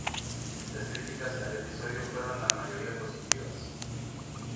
Las críticas al episodio fueron la mayoría positivas.